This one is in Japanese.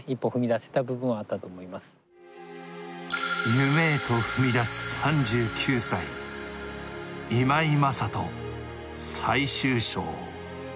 夢へと踏み出す３９歳、今井正人最終章。